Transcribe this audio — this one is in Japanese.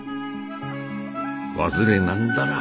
忘れなんだら